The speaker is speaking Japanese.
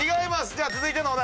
では続いてのお題。